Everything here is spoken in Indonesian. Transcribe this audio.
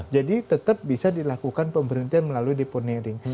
jadi tetap bisa dilakukan pemberhentian melalui deponering